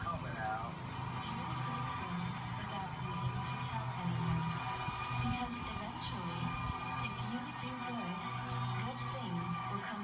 ข้อมูลเข้ามาดูครับ